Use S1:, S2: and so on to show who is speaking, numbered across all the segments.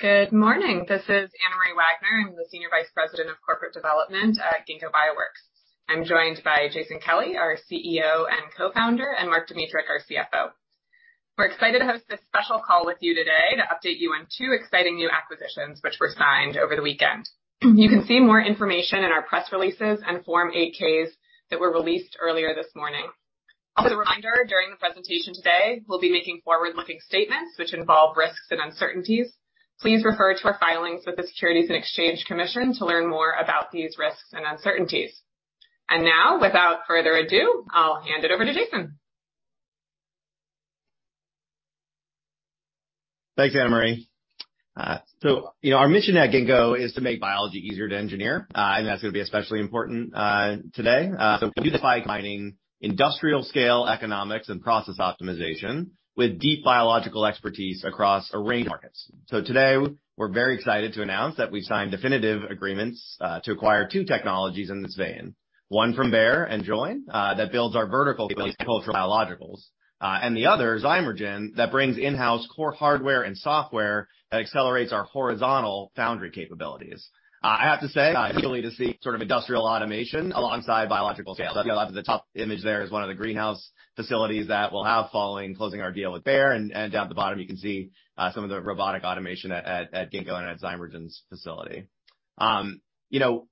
S1: Good morning. This is Anna Marie Wagner. I'm the Senior Vice President of Corporate Development at Ginkgo Bioworks. I'm joined by Jason Kelly, our CEO and Co-founder, and Mark Dmytruk, our CFO. We're excited to host this special call with you today to update you on two exciting new acquisitions which were signed over the weekend. You can see more information in our press releases and Form 8-Ks that were released earlier this morning. Also, a reminder, during the presentation today, we'll be making forward-looking statements which involve risks and uncertainties. Please refer to our filings with the Securities and Exchange Commission to learn more about these risks and uncertainties. Now, without further ado, I'll hand it over to Jason.
S2: Thanks, Anna Marie. You know, our mission at Ginkgo is to make biology easier to engineer, and that's gonna be especially important today. We do this by combining industrial scale economics and process optimization with deep biological expertise across a range of markets. Today we're very excited to announce that we've signed definitive agreements to acquire two technologies in this vein, one from Bayer and Joyn that builds our vertical capabilities in agricultural biologicals, and the other, Zymergen, that brings in-house core hardware and software that accelerates our horizontal foundry capabilities. I have to say, it's cool to see sort of industrial automation alongside biological scales. The top image there is one of the greenhouse facilities that we'll have following closing our deal with Bayer, and down at the bottom you can see some of the robotic automation at Ginkgo and at Zymergen's facility. You know,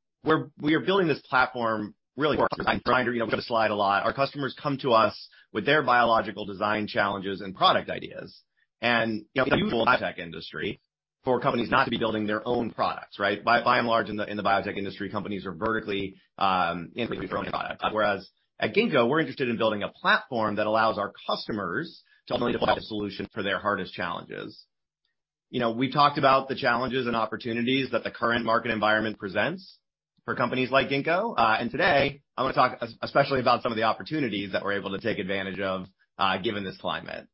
S2: we are building this platform really for our customers. We show this slide a lot. Our customers come to us with their biological design challenges and product ideas, and it's usual in the biotech industry for companies not to be building their own products, right? By and large, in the biotech industry, companies are vertically integrated and building their own products. Whereas at Ginkgo, we're interested in building a platform that allows our customers to ultimately deploy the solution for their hardest challenges. You know, we've talked about the challenges and opportunities that the current market environment presents for companies like Ginkgo. Today I'm gonna talk especially about some of the opportunities that we're able to take advantage of, given this climate.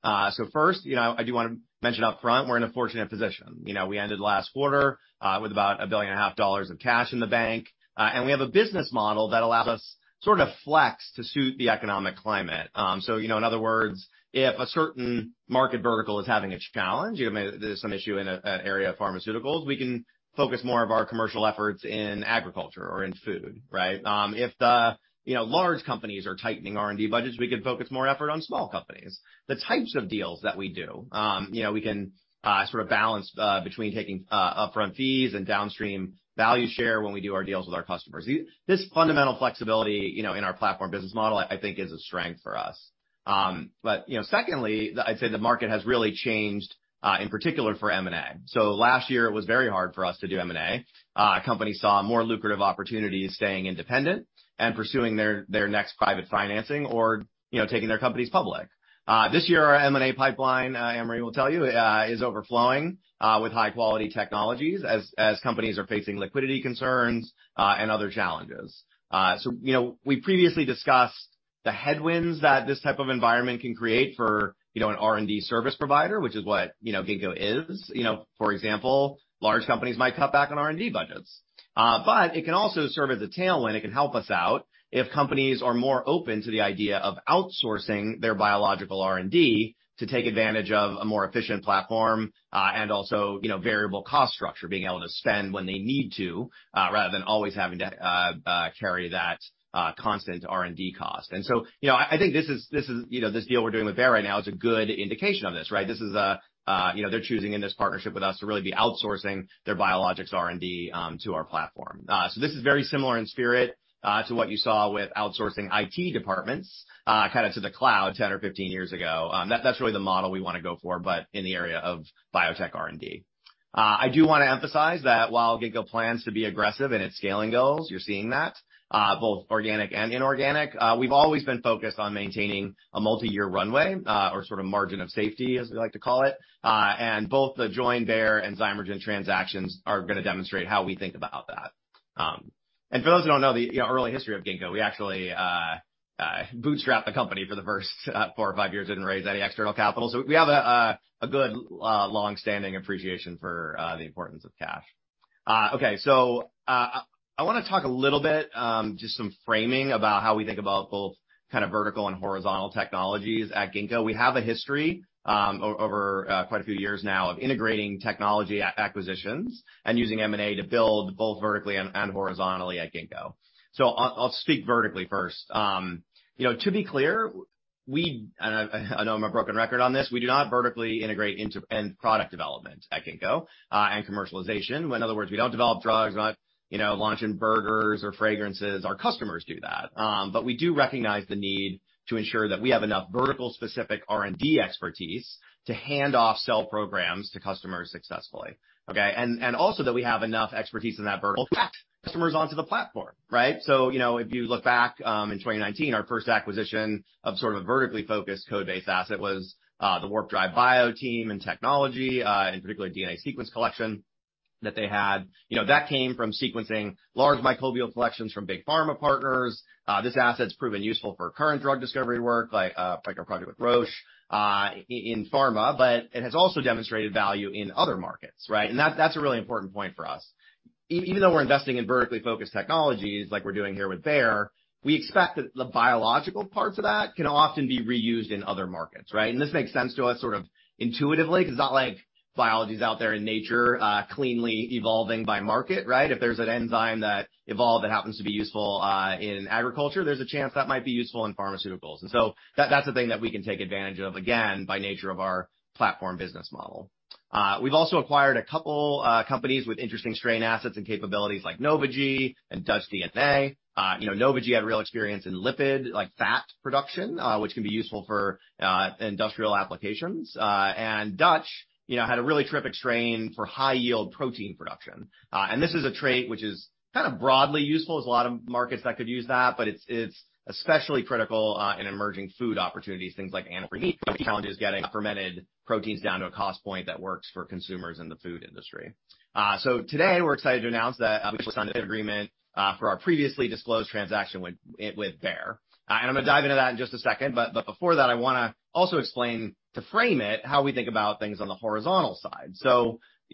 S2: First, you know, I do wanna mention up front, we're in a fortunate position. You know, we ended last quarter with about $1.5 billion of cash in the bank. We have a business model that allows us sort of flex to suit the economic climate. You know, in other words, if a certain market vertical is having a challenge, you know, maybe there's some issue in an area of pharmaceuticals, we can focus more of our commercial efforts in agriculture or in food, right? If the large companies are tightening R&D budgets, we can focus more effort on small companies. The types of deals that we do, you know, we can sort of balance between taking upfront fees and downstream value share when we do our deals with our customers. This fundamental flexibility, you know, in our platform business model, I think is a strength for us. You know, secondly, I'd say the market has really changed in particular for M&A. Last year it was very hard for us to do M&A. Companies saw more lucrative opportunities staying independent and pursuing their next private financing or, you know, taking their companies public. This year our M&A pipeline, Anna Marie will tell you, is overflowing with high quality technologies as companies are facing liquidity concerns and other challenges. You know, we previously discussed the headwinds that this type of environment can create for, you know, an R&D service provider, which is what, you know, Ginkgo is. You know, for example, large companies might cut back on R&D budgets. It can also serve as a tailwind. It can help us out if companies are more open to the idea of outsourcing their biological R&D to take advantage of a more efficient platform, and also, you know, variable cost structure, being able to spend when they need to, rather than always having to carry that constant R&D cost. You know, I think this is this deal we're doing with Bayer right now is a good indication of this, right? This is you know they're choosing in this partnership with us to really be outsourcing their biologics R&D to our platform. This is very similar in spirit to what you saw with outsourcing IT departments kind of to the cloud 10 or 15 years ago. That's really the model we wanna go for, but in the area of biotech R&D. I do wanna emphasize that while Ginkgo plans to be aggressive in its scaling goals, you're seeing that both organic and inorganic we've always been focused on maintaining a multi-year runway or sort of margin of safety, as we like to call it. Both the Joyn Bio and Bayer and Zymergen transactions are gonna demonstrate how we think about that. For those who don't know the, you know, early history of Ginkgo, we actually bootstrapped the company for the first four or five years, didn't raise any external capital. We have a good longstanding appreciation for the importance of cash. I wanna talk a little bit just some framing about how we think about both kinda vertical and horizontal technologies at Ginkgo. We have a history over quite a few years now of integrating technology acquisitions and using M&A to build both vertically and horizontally at Ginkgo. I'll speak vertically first. You know, to be clear, and I know I'm a broken record on this, we do not vertically integrate into end product development at Ginkgo and commercialization. In other words, we don't develop drugs. We're not, you know, launching burgers or fragrances. Our customers do that. But we do recognize the need to ensure that we have enough vertical specific R&D expertise to hand off cell programs to customers successfully, okay? And also that we have enough expertise in that vertical to attract customers onto the platform, right? So, you know, if you look back in 2019, our first acquisition of sort of a vertically focused codebase asset was the Warp Drive Bio team and technology, in particular DNA sequence collection that they had, you know, that came from sequencing large microbial collections from big pharma partners. This asset's proven useful for current drug discovery work, like our project with Roche, in pharma, but it has also demonstrated value in other markets, right? That's a really important point for us. Even though we're investing in vertically focused technologies like we're doing here with Bayer, we expect that the biological parts of that can often be reused in other markets, right? This makes sense to us sort of intuitively, 'cause it's not like biology's out there in nature, cleanly evolving by market, right? If there's an enzyme that evolved that happens to be useful in agriculture, there's a chance that might be useful in pharmaceuticals. That's a thing that we can take advantage of, again, by nature of our platform business model. We've also acquired a couple companies with interesting strain assets and capabilities like Novogy and Dutch DNA. You know, Novogy had real experience in lipid, like fat production, which can be useful for industrial applications. And Dutch, you know, had a really terrific strain for high yield protein production. And this is a trait which is kind of broadly useful. There's a lot of markets that could use that, but it's especially critical in emerging food opportunities, things like animal-free challenges, getting fermented proteins down to a cost point that works for consumers in the food industry. Today we're excited to announce that we've signed an agreement for our previously disclosed transaction with Bayer. I'm gonna dive into that in just a second, but before that, I wanna also explain, to frame it, how we think about things on the horizontal side.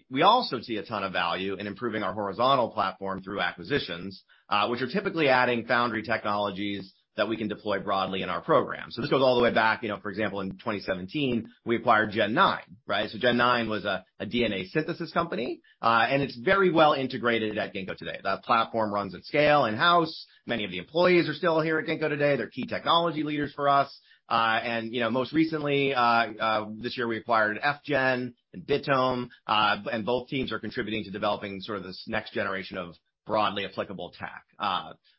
S2: We also see a ton of value in improving our horizontal platform through acquisitions, which are typically adding foundry technologies that we can deploy broadly in our program. This goes all the way back, you know, for example, in 2017, we acquired Gen9, right? Gen9 was a DNA synthesis company, and it's very well integrated at Ginkgo today. That platform runs at scale in-house. Many of the employees are still here at Ginkgo today. They're key technology leaders for us. You know, most recently, this year we acquired FGen and Bitome, and both teams are contributing to developing sort of this next generation of broadly applicable tech.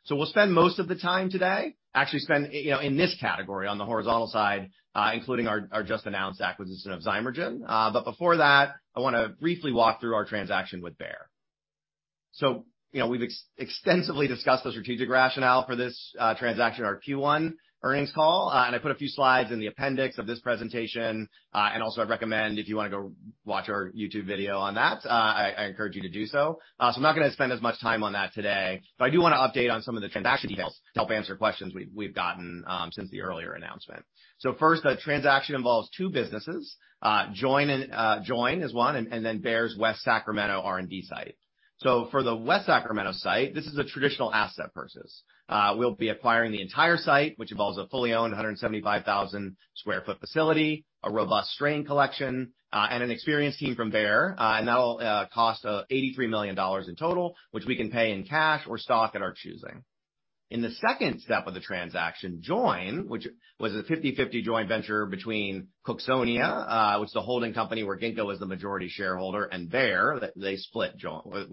S2: We'll spend most of the time today, actually spend, you know, in this category on the horizontal side, including our just announced acquisition of Zymergen. Before that, I want to briefly walk through our transaction with Bayer. You know, we've extensively discussed the strategic rationale for this transaction, our Q1 earnings call, and I put a few slides in the appendix of this presentation. I'd recommend if you want to go watch our YouTube video on that, I encourage you to do so. I'm not going to spend as much time on that today. I do want to update on some of the transaction details to help answer questions we've gotten since the earlier announcement. First, the transaction involves two businesses, Joyn and then Bayer's West Sacramento R&D site. For the West Sacramento site, this is a traditional asset purchase. We'll be acquiring the entire site, which involves a fully owned 175,000 sq ft facility, a robust strain collection, and an experienced team from Bayer. And that'll cost $83 million in total, which we can pay in cash or stock at our choosing. In the second step of the transaction, Joyn, which was a 50/50 joint venture between Cooksonia, which is the holding company where Ginkgo was the majority shareholder, and Bayer, we're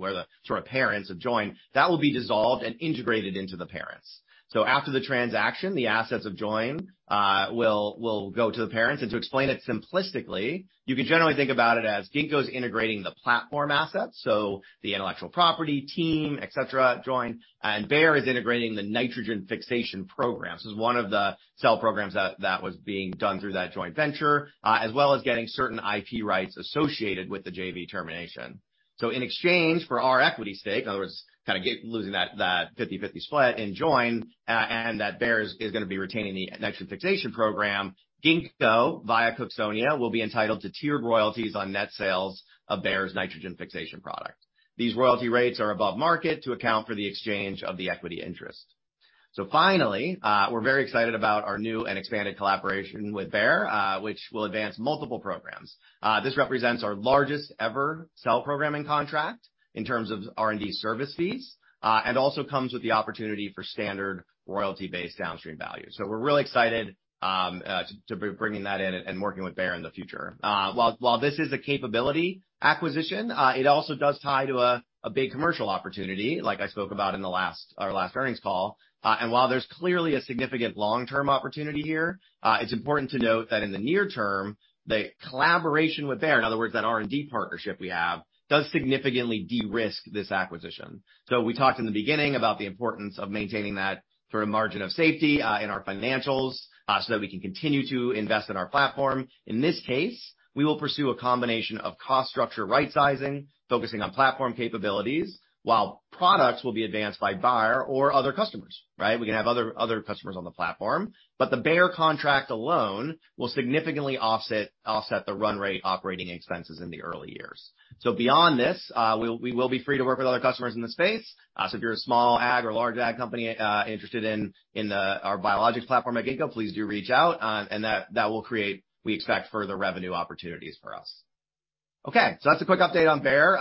S2: the sort of parents of Joyn, that will be dissolved and integrated into the parents. After the transaction, the assets of Joyn Bio will go to the parents. To explain it simplistically, you can generally think about it as Ginkgo's integrating the platform assets, so the intellectual property team, et cetera, at Joyn Bio, and Bayer is integrating the nitrogen fixation programs. This is one of the cell programs that was being done through that joint venture, as well as getting certain IP rights associated with the JV termination. In exchange for our equity stake, in other words, kinda losing that 50/50 split in Joyn Bio, and that Bayer is gonna be retaining the nitrogen fixation program, Ginkgo via Cooksonia will be entitled to tiered royalties on net sales of Bayer's nitrogen fixation product. These royalty rates are above market to account for the exchange of the equity interest. Finally, we're very excited about our new and expanded collaboration with Bayer, which will advance multiple programs. This represents our largest ever cell programming contract in terms of R&D service fees, and also comes with the opportunity for standard royalty-based downstream value. We're really excited to be bringing that in and working with Bayer in the future. While this is a capability acquisition, it also does tie to a big commercial opportunity like I spoke about in our last earnings call. While there's clearly a significant long-term opportunity here, it's important to note that in the near term, the collaboration with Bayer, in other words, that R&D partnership we have, does significantly de-risk this acquisition. We talked in the beginning about the importance of maintaining that sort of margin of safety in our financials so that we can continue to invest in our platform. In this case, we will pursue a combination of cost structure right-sizing, focusing on platform capabilities while products will be advanced by Bayer or other customers, right? We can have other customers on the platform, but the Bayer contract alone will significantly offset the run rate operating expenses in the early years. Beyond this, we will be free to work with other customers in the space. If you're a small ag or large ag company interested in our biologics platform at Ginkgo, please do reach out. That will create, we expect, further revenue opportunities for us. Okay, that's a quick update on Bayer,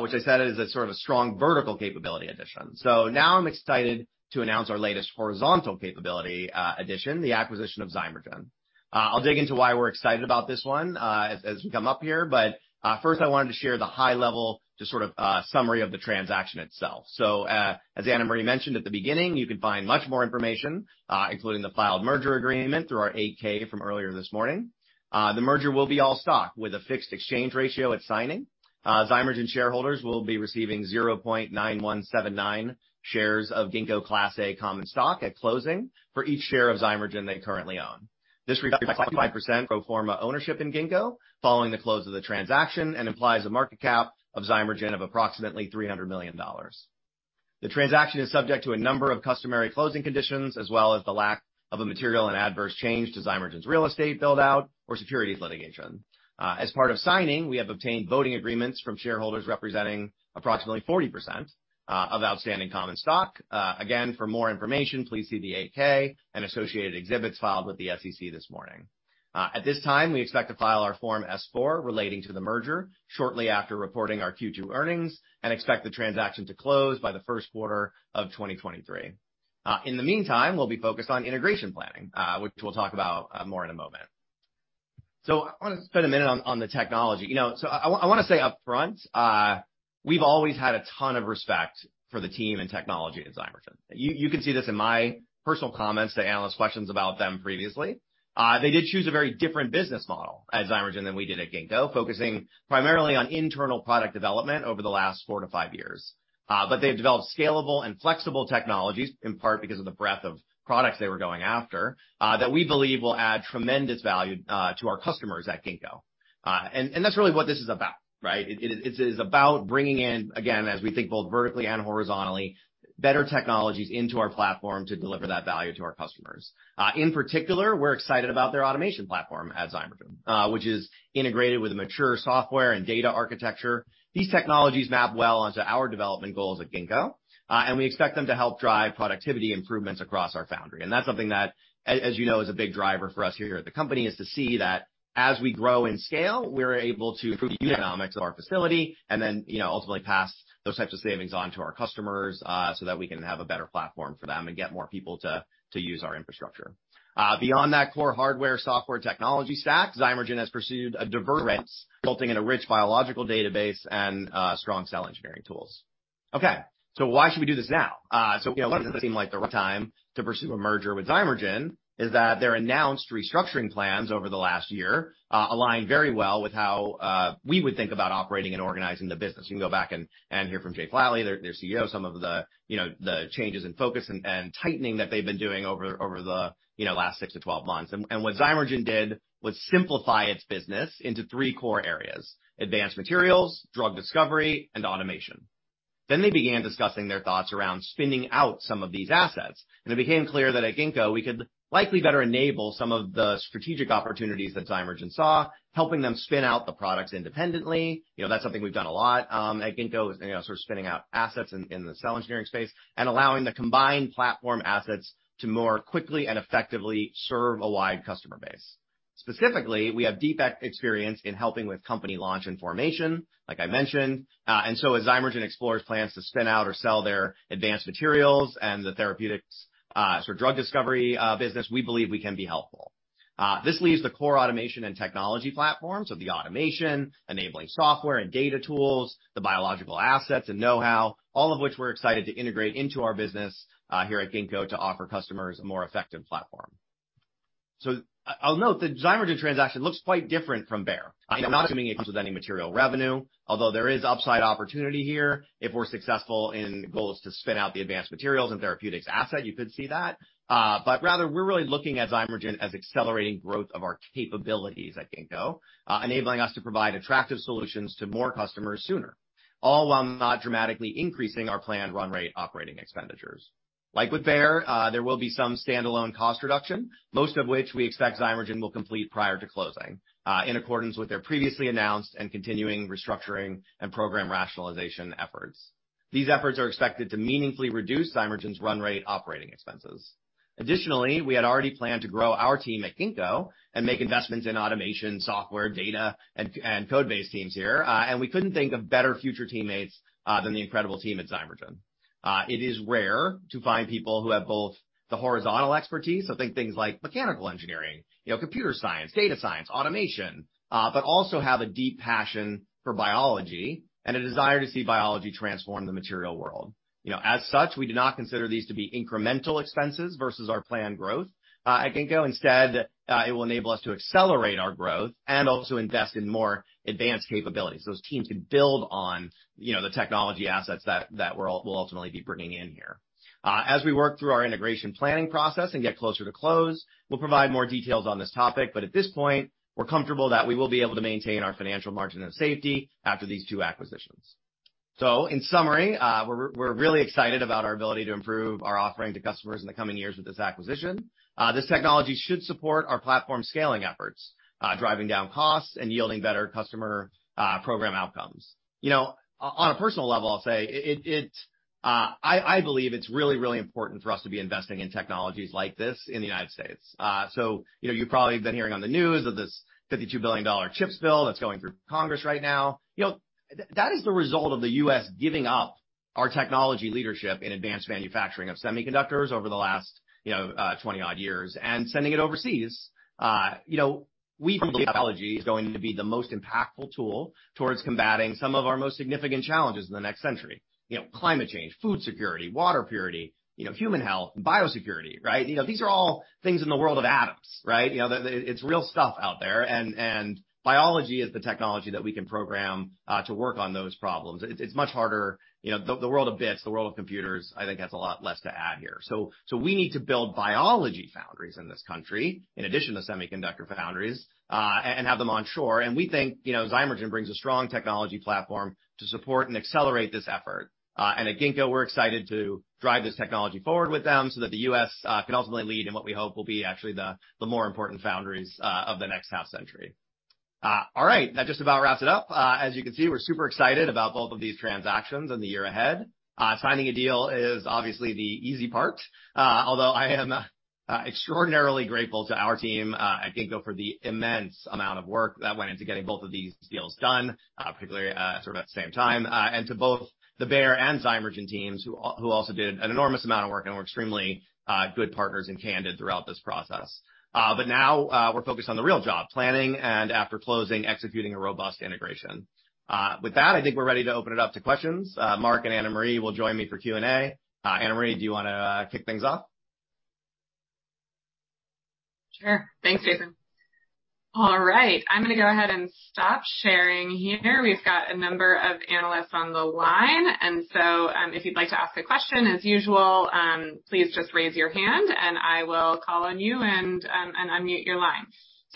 S2: which I said is a sort of a strong vertical capability addition. Now I'm excited to announce our latest horizontal capability addition, the acquisition of Zymergen. I'll dig into why we're excited about this one, as we come up here, but first I wanted to share the high level just sort of summary of the transaction itself. As Anna Marie mentioned at the beginning, you can find much more information, including the filed merger agreement through our 8-K from earlier this morning. The merger will be all stock with a fixed exchange ratio at signing. Zymergen shareholders will be receiving 0.9179 shares of Ginkgo Class A common stock at closing for each share of Zymergen they currently own. This reduction by 25% pro forma ownership in Ginkgo following the close of the transaction and implies a market cap of Zymergen of approximately $300 million. The transaction is subject to a number of customary closing conditions, as well as the lack of a material and adverse change to Zymergen's real estate build-out or securities litigation. As part of signing, we have obtained voting agreements from shareholders representing approximately 40%, of outstanding common stock. Again, for more information, please see the 8-K and associated exhibits filed with the SEC this morning. At this time, we expect to file our Form S-4 relating to the merger shortly after reporting our Q2 earnings and expect the transaction to close by the Q1 of 2023. In the meantime, we'll be focused on integration planning, which we'll talk about more in a moment. I want to spend a minute on the technology. You know, I wanna say up front, we've always had a ton of respect for the team and technology at Zymergen. You can see this in my personal comments to analyst questions about them previously. They did choose a very different business model at Zymergen than we did at Ginkgo, focusing primarily on internal product development over the last four-five years. They have developed scalable and flexible technologies, in part because of the breadth of products they were going after, that we believe will add tremendous value to our customers at Ginkgo. That's really what this is about, right? It is about bringing in, again, as we think both vertically and horizontally, better technologies into our platform to deliver that value to our customers. In particular, we're excited about their automation platform at Zymergen, which is integrated with a mature software and data architecture. These technologies map well onto our development goals at Ginkgo, and we expect them to help drive productivity improvements across our foundry. That's something that as you know, is a big driver for us here at the company, is to see that as we grow in scale, we're able to improve the economics of our facility and then, you know, ultimately pass those types of savings on to our customers, so that we can have a better platform for them and get more people to use our infrastructure. Beyond that core hardware, software technology stack, Zymergen has pursued a diverse set of projects resulting in a rich biological database and strong cell engineering tools. Okay, why should we do this now? You know, what makes it seem like the right time to pursue a merger with Zymergen is that their announced restructuring plans over the last year align very well with how we would think about operating and organizing the business. You can go back and hear from Jay Flatley, their CEO, some of the changes in focus and tightening that they've been doing over the last six to 12 months. What Zymergen did was simplify its business into three core areas, advanced materials, drug discovery, and automation. They began discussing their thoughts around spinning out some of these assets, and it became clear that at Ginkgo, we could likely better enable some of the strategic opportunities that Zymergen saw, helping them spin out the products independently. You know, that's something we've done a lot, at Ginkgo, is, you know, sort of spinning out assets in the cell engineering space and allowing the combined platform assets to more quickly and effectively serve a wide customer base. Specifically, we have deep experience in helping with company launch and formation, like I mentioned. Zymergen explores plans to spin out or sell their advanced materials and the therapeutics, sort of drug discovery business, we believe we can be helpful. This leaves the core automation and technology platform, so the automation, enabling software and data tools, the biological assets and know-how, all of which we're excited to integrate into our business here at Ginkgo to offer customers a more effective platform. I'll note the Zymergen transaction looks quite different from Bayer. I'm not assuming it comes with any material revenue, although there is upside opportunity here. If we're successful in goals to spin out the advanced materials and therapeutics asset, you could see that. Rather we're really looking at Zymergen as accelerating growth of our capabilities at Ginkgo, enabling us to provide attractive solutions to more customers sooner, all while not dramatically increasing our planned run rate operating expenditures. Like with Bayer, there will be some standalone cost reduction, most of which we expect Zymergen will complete prior to closing, in accordance with their previously announced and continuing restructuring and program rationalization efforts. These efforts are expected to meaningfully reduce Zymergen's run rate operating expenses. Additionally, we had already planned to grow our team at Ginkgo and make investments in automation, software, data, and code-based teams here. We couldn't think of better future teammates than the incredible team at Zymergen. It is rare to find people who have both the horizontal expertise, so think things like mechanical engineering, you know, computer science, data science, automation, but also have a deep passion for biology and a desire to see biology transform the material world. You know, as such, we do not consider these to be incremental expenses versus our planned growth. At Ginkgo instead, it will enable us to accelerate our growth and also invest in more advanced capabilities. Those teams can build on, you know, the technology assets that we're ultimately bringing in here. As we work through our integration planning process and get closer to close, we'll provide more details on this topic, but at this point, we're comfortable that we will be able to maintain our financial margin of safety after these two acquisitions. In summary, we're really excited about our ability to improve our offering to customers in the coming years with this acquisition. This technology should support our platform scaling efforts, driving down costs and yielding better customer program outcomes. You know, on a personal level, I'll say it, I believe it's really important for us to be investing in technologies like this in the United States. You know, you probably have been hearing on the news of this $52 billion CHIPS bill that's going through Congress right now. You know, that is the result of the U.S. giving up our technology leadership in advanced manufacturing of semiconductors over the last, you know, 20-odd years and sending it overseas. You know, we believe technology is going to be the most impactful tool towards combating some of our most significant challenges in the next century. You know, climate change, food security, water purity, human health, biosecurity, right? You know, these are all things in the world of atoms, right? You know, it's real stuff out there and biology is the technology that we can program to work on those problems. It's much harder, you know, the world of bits, the world of computers, I think, has a lot less to add here. So we need to build biology foundries in this country, in addition to semiconductor foundries and have them onshore. We think, you know, Zymergen brings a strong technology platform to support and accelerate this effort. At Ginkgo, we're excited to drive this technology forward with them so that the U.S. can ultimately lead in what we hope will be actually the more important foundries of the next half century. All right, that just about wraps it up. As you can see, we're super excited about both of these transactions and the year ahead. Signing a deal is obviously the easy part, although I am extraordinarily grateful to our team at Ginkgo for the immense amount of work that went into getting both of these deals done, particularly sort of at the same time, and to both the Bayer and Zymergen teams who also did an enormous amount of work and were extremely good partners and candid throughout this process. Now, we're focused on the real job, planning and, after closing, executing a robust integration. With that, I think we're ready to open it up to questions. Mark and Anna Marie will join me for Q&A. Anna Marie, do you wanna kick things off?
S1: Sure. Thanks, Jason. All right. I'm gonna go ahead and stop sharing here. We've got a number of analysts on the line, and so, if you'd like to ask a question, as usual, please just raise your hand and I will call on you and unmute your line.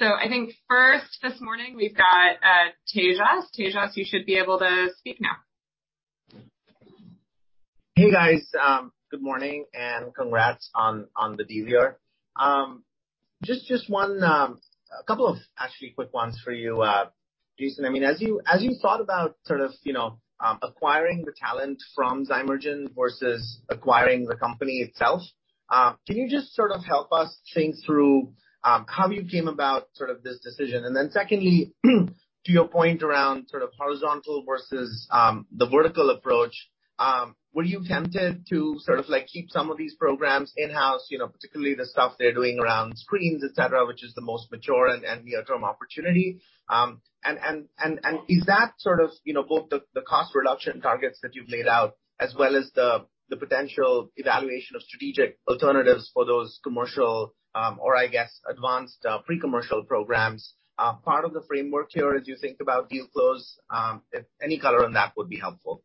S1: I think first this morning we've got Tejas. Tejas, you should be able to speak now.
S3: Hey, guys, good morning and congrats on the deal here. Just one, a couple of actually quick ones for you, Jason. I mean, as you thought about sort of, you know, acquiring the talent from Zymergen versus acquiring the company itself, can you just sort of help us think through how you came about sort of this decision? Secondly, to your point around sort of horizontal versus the vertical approach, were you tempted to sort of like keep some of these programs in-house, you know, particularly the stuff they're doing around screens, et cetera, which is the most mature and near-term opportunity? Is that sort of, you know, both the cost reduction targets that you've laid out as well as the potential evaluation of strategic alternatives for those commercial or I guess advanced pre-commercial programs part of the framework here as you think about deal close? Any color on that would be helpful.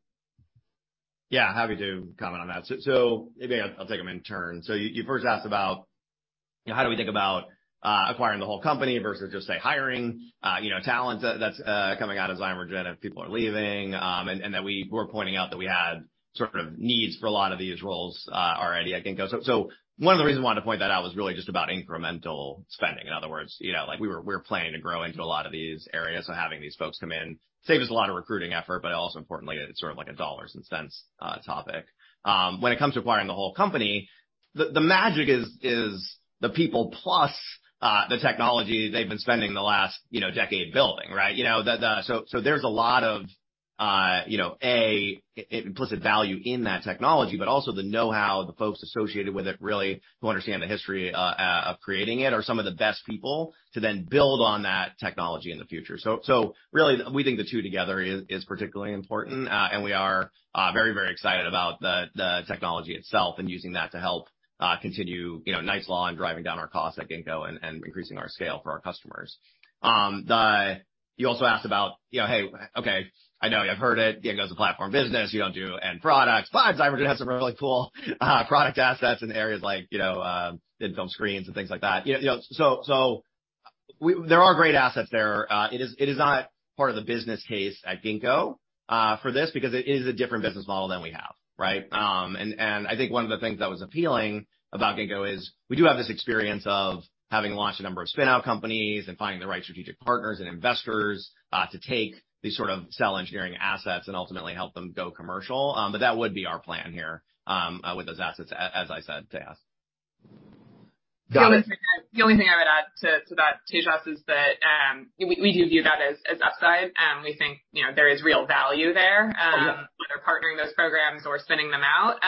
S2: Yeah, happy to comment on that. Maybe I'll take them in turn. You first asked about, you know, how do we think about acquiring the whole company versus just, say, hiring, you know, talent that's coming out of Zymergen and people are leaving. And that we were pointing out that we had sort of needs for a lot of these roles, already, I think. One of the reasons I wanted to point that out was really just about incremental spending. In other words, you know, like we're planning to grow into a lot of these areas. Having these folks come in saves a lot of recruiting effort, but also importantly, it's sort of like a dollars and cents topic. When it comes to acquiring the whole company, the magic is the people plus the technology they've been spending the last decade building, right? You know, so there's a lot of, you know, implicit value in that technology, but also the know-how, the folks associated with it really who understand the history of creating it are some of the best people to then build on that technology in the future. Really we think the two together is particularly important. We are very excited about the technology itself and using that to help continue Knight's Law and driving down our costs at Ginkgo and increasing our scale for our customers. You also asked about, you know, "Hey, okay, I know I've heard it. Ginkgo's a platform business. You don't do end products, but Zymergen has some really cool product assets in areas like, you know, film screens and things like that. You know, there are great assets there. It is not part of the business case at Ginkgo for this because it is a different business model than we have, right? I think one of the things that was appealing about Ginkgo is we do have this experience of having launched a number of spin-out companies and finding the right strategic partners and investors to take these sort of cell engineering assets and ultimately help them go commercial. That would be our plan here with those assets, as I said, Tejas.
S1: The only thing I would add to that, Tejas, is that we do view that as upside. We think, you know, there is real value there, whether partnering those programs or spinning them out.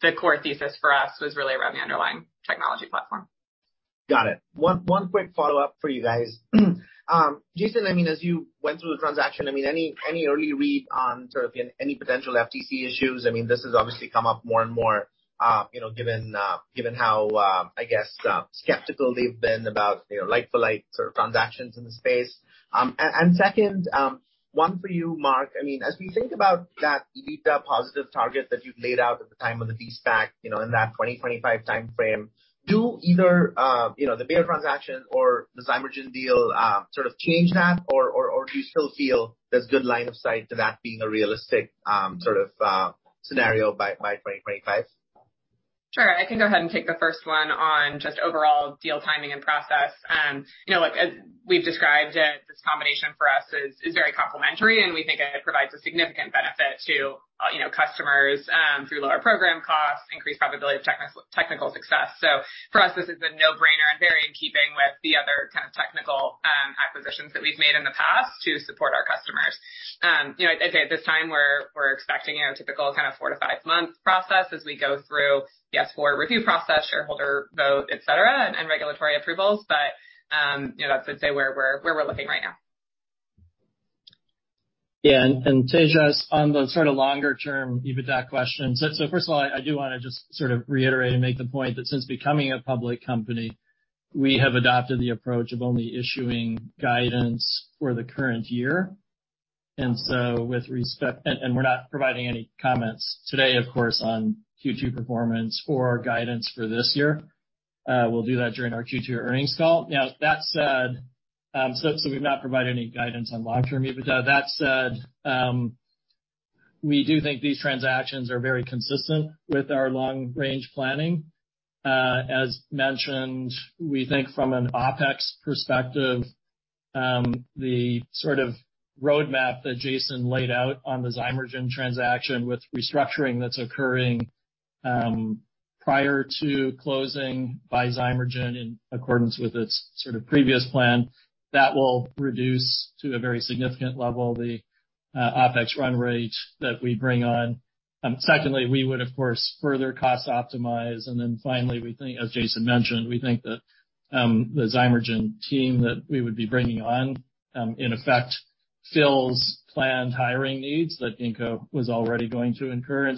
S1: The core thesis for us was really around the underlying technology platform.
S3: Got it. One quick follow-up for you guys. Jason, I mean, as you went through the transaction, I mean, any early read on sort of any potential FTC issues? I mean, this has obviously come up more and more, you know, given how, I guess, skeptical they've been about, you know, like-for-like sort of transactions in the space. Second, one for you, Mark. I mean, as we think about that EBITDA positive target that you've laid out at the time of the de-SPAC, you know, in that 2025 timeframe, do either, you know, the Bayer transaction or the Zymergen deal, sort of change that or do you still feel there's good line of sight to that being a realistic, sort of, scenario by 2025?
S1: Sure. I can go ahead and take the first one on just overall deal timing and process. You know, look, as we've described it, this combination for us is very complementary, and we think it provides a significant benefit to, you know, customers, through lower program costs, increased probability of technical success. For us, this is a no-brainer and very in keeping with the other kind of technical acquisitions that we've made in the past to support our customers. You know, I'd say at this time, we're expecting, you know, typical kind of four to five month process as we go through the S-4 review process, shareholder vote, et cetera, and regulatory approvals. That's, I'd say, where we're looking right now.
S2: Yeah. Tejas, on the sort of longer-term EBITDA question. First of all, I do wanna just sort of reiterate and make the point that since becoming a public company, we have adopted the approach of only issuing guidance for the current year. We're not providing any comments today, of course, on Q2 performance or guidance for this year. We'll do that during our Q2 earnings call. Now, that said, we've not provided any guidance on long-term EBITDA. That said,
S4: We do think these transactions are very consistent with our long-range planning. As mentioned, we think from an OPEX perspective, the sort of roadmap that Jason laid out on the Zymergen transaction with restructuring that's occurring prior to closing by Zymergen in accordance with its sort of previous plan, that will reduce to a very significant level the OPEX run rate that we bring on. Secondly, we would of course further cost optimize. Finally, we think, as Jason mentioned, we think that the Zymergen team that we would be bringing on in effect fills planned hiring needs that Ginkgo was already going to incur.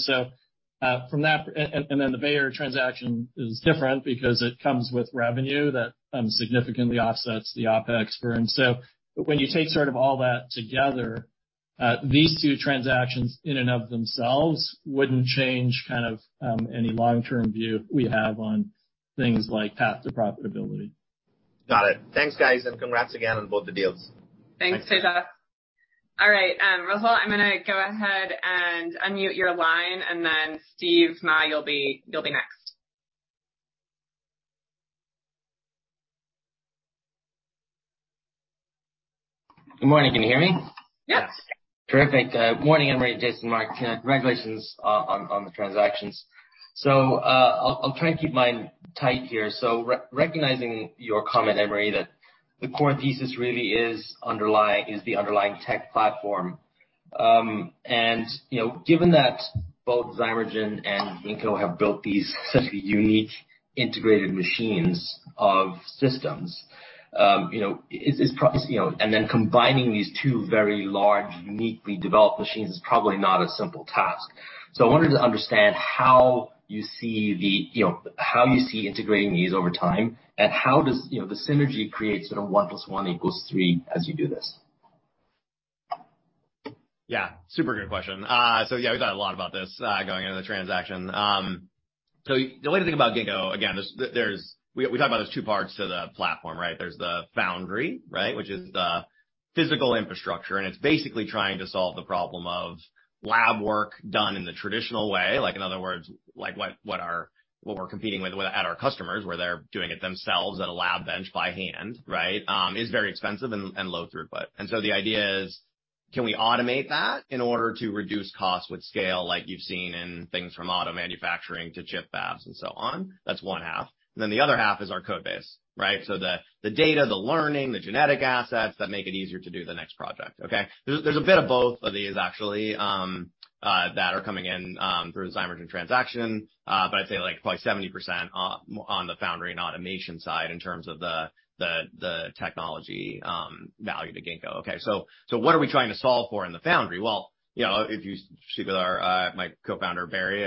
S4: From that, the Bayer transaction is different because it comes with revenue that significantly offsets the OPEX spend. When you take sort of all that together, these two transactions in and of themselves wouldn't change kind of any long-term view we have on things like path to profitability.
S3: Got it. Thanks, guys, and congrats again on both the deals.
S1: Thanks, Tejas. All right, Rahul, I'm gonna go ahead and unmute your line, and then Steven Mah, you'll be next.
S5: Good morning. Can you hear me?
S1: Yes.
S5: Terrific. Good morning, Anna Marie, Jason, Mark. Congratulations on the transactions. I'll try and keep mine tight here. Recognizing your comment, Anna Marie, that the core thesis really is the underlying tech platform. You know, given that both Zymergen and Ginkgo have built these such unique integrated machines of systems, you know, combining these two very large, uniquely developed machines is probably not a simple task. I wanted to understand how you see integrating these over time, and how does the synergy create sort of one plus one equals three as you do this?
S2: Yeah, super good question. Yeah, we thought a lot about this, going into the transaction. The only thing about Ginkgo, again, is we talk about there's two parts to the platform, right? There's the foundry, right? Which is the physical infrastructure, and it's basically trying to solve the problem of lab work done in the traditional way. Like, in other words, like, what we're competing with at our customers, where they're doing it themselves at a lab bench by hand, right? Is very expensive and low throughput. The idea is, can we automate that in order to reduce costs with scale like you've seen in things from auto manufacturing to chip fabs and so on? That's one half. Then the other half is our Codebase, right? The data, the learning, the genetic assets that make it easier to do the next project, okay? There's a bit of both of these actually that are coming in through the Zymergen transaction, but I'd say like probably 70% on the foundry and automation side in terms of the technology value to Ginkgo. Okay, what are we trying to solve for in the foundry? Well, you know, if you speak with our my co-founder, Barry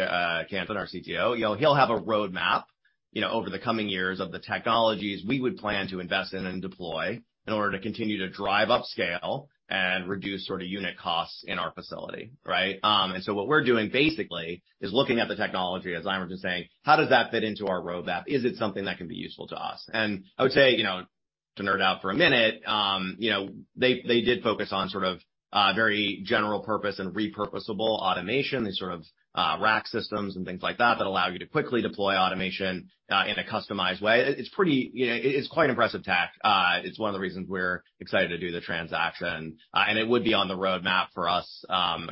S2: Canton, our CTO, you know, he'll have a roadmap, you know, over the coming years of the technologies we would plan to invest in and deploy in order to continue to drive upscale and reduce sort of unit costs in our facility, right? What we're doing basically is looking at the technology at Zymergen and saying, "How does that fit into our roadmap? Is it something that can be useful to us?" I would say, you know, to nerd out for a minute, you know, they did focus on sort of very general purpose and repurposable automation, these sort of rack systems and things like that allow you to quickly deploy automation in a customized way. It's pretty, you know, it's quite impressive tech. It's one of the reasons we're excited to do the transaction. It would be on the roadmap for us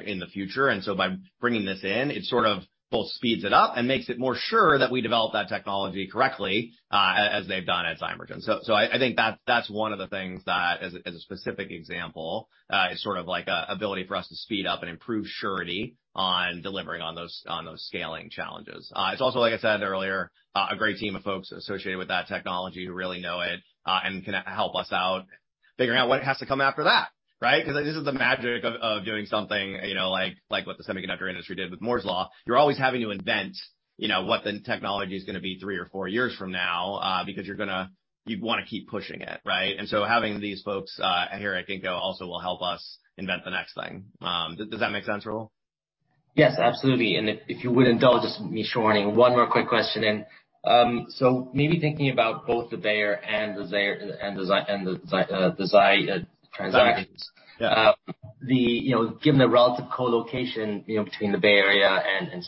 S2: in the future. By bringing this in, it sort of both speeds it up and makes it more sure that we develop that technology correctly, as they've done at Zymergen. I think that's one of the things that as a specific example is sort of like an ability for us to speed up and improve surety on delivering on those scaling challenges. It's also, like I said earlier, a great team of folks associated with that technology who really know it and can help us out figuring out what has to come after that, right? 'Cause this is the magic of doing something, you know, like what the semiconductor industry did with Moore's Law. You're always having to invent, you know, what the technology is gonna be three or four years from now, because you wanna keep pushing it, right? Having these folks here at Ginkgo also will help us invent the next thing. Does that make sense, Rahul?
S5: Yes, absolutely. If you would indulge just me shortly, one more quick question in. Maybe thinking about both the Bayer and the Zymergen transactions.
S2: Got it. Yeah.
S5: Given the relative co-location, you know, between the Bay Area and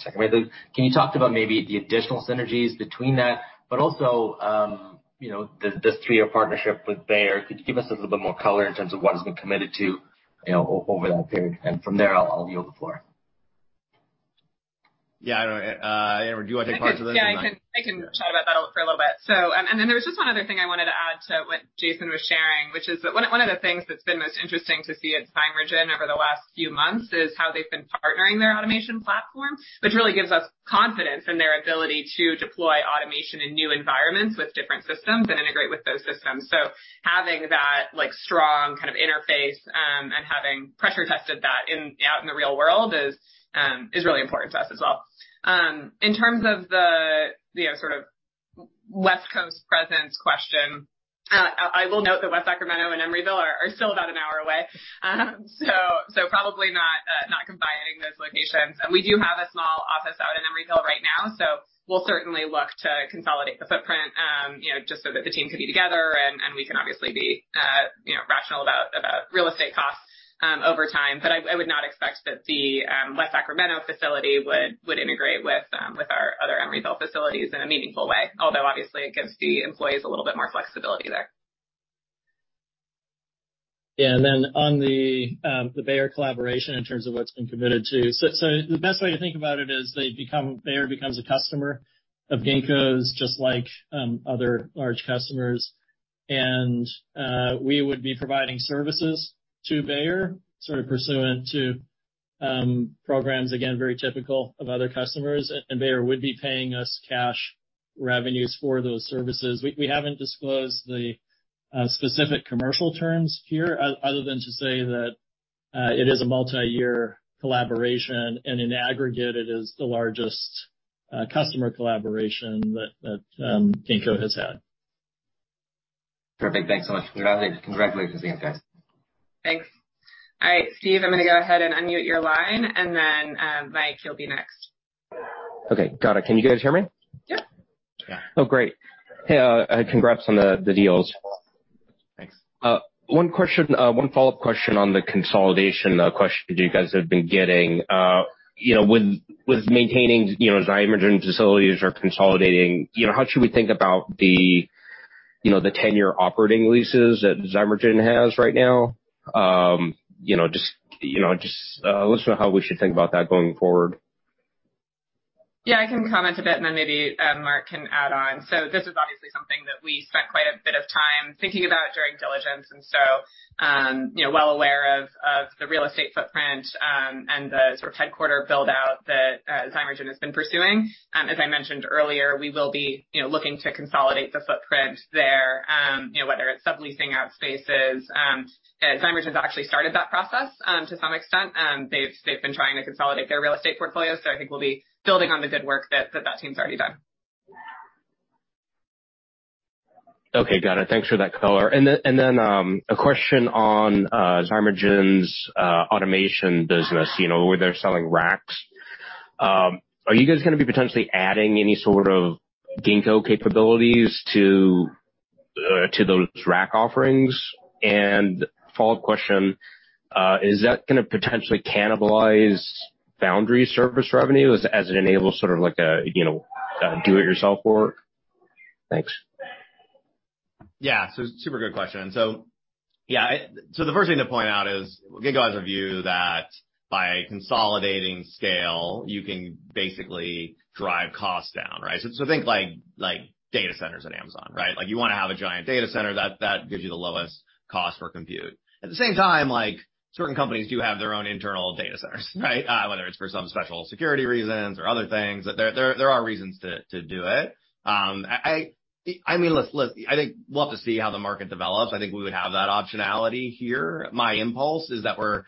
S5: Sacramento, can you talk about maybe the additional synergies between that, but also, you know, this three-year partnership with Bayer? Could you give us a little bit more color in terms of what has been committed to, you know, over that period? From there, I'll yield the floor.
S2: Anna Marie, do you want to take parts of this?
S1: Yeah, I can chat about that for a little bit. There was just one other thing I wanted to add to what Jason was sharing, which is one of the things that's been most interesting to see at Zymergen over the last few months is how they've been partnering their automation platform, which really gives us confidence in their ability to deploy automation in new environments with different systems and integrate with those systems. Having that, like, strong kind of interface, and having pressure tested that out in the real world is really important to us as well. In terms of the, you know, sort of West Coast presence question, I will note that West Sacramento and Emeryville are still about an hour away. Probably not those locations. We do have a small office out in Emeryville right now, so we'll certainly look to consolidate the footprint, you know, just so that the team can be together, and we can obviously be, you know, rational about real estate costs over time. I would not expect that the West Sacramento facility would integrate with our other Emeryville facilities in a meaningful way. Although obviously it gives the employees a little bit more flexibility there.
S4: Yeah. Then on the Bayer collaboration in terms of what's been committed to. The best way to think about it is Bayer becomes a customer of Ginkgo's, just like other large customers. We would be providing services to Bayer, sort of pursuant to programs, again, very typical of other customers. And Bayer would be paying us cash revenues for those services. We haven't disclosed the specific commercial terms here, other than to say that it is a multi-year collaboration, and in aggregate, it is the largest customer collaboration that Ginkgo has had.
S2: Perfect. Thanks so much. Congratulations. Congratulations again, guys.
S1: Thanks. All right, Steve, I'm gonna go ahead and unmute your line, and then, Mike, you'll be next.
S6: Okay, got it. Can you guys hear me?
S1: Yep.
S2: Yeah.
S6: Oh, great. Hey, congrats on the deals.
S2: Thanks.
S6: One question, one follow-up question on the consolidation question you guys have been getting. You know, with maintaining, you know, Zymergen facilities or consolidating, you know, how should we think about the, you know, 10-year operating leases that Zymergen has right now? You know, just, you know, let us know how we should think about that going forward.
S1: Yeah, I can comment a bit and then maybe Mark can add on. This is obviously something that we spent quite a bit of time thinking about during diligence. You know, well aware of the real estate footprint and the sort of headquarters build-out that Zymergen has been pursuing. As I mentioned earlier, we will be looking to consolidate the footprint there, you know, whether it's subleasing out spaces. Zymergen's actually started that process to some extent. They've been trying to consolidate their real estate portfolio, so I think we'll be building on the good work that team's already done.
S6: Okay. Got it. Thanks for that color. A question on Zymergen's automation business, you know, where they're selling racks. Are you guys gonna be potentially adding any sort of Ginkgo capabilities to those rack offerings? Follow-up question, is that gonna potentially cannibalize foundry service revenue as it enables sort of like a, you know, a do it yourself work? Thanks.
S2: Yeah. Super good question. Yeah, the first thing to point out is Ginkgo has a view that by consolidating scale, you can basically drive costs down, right? Think like data centers at Amazon, right? Like, you wanna have a giant data center that gives you the lowest cost for compute. At the same time, like, certain companies do have their own internal data centers, right? Whether it's for some special security reasons or other things, there are reasons to do it. I mean, I think we'll have to see how the market develops. I think we would have that optionality here. My impulse is that we're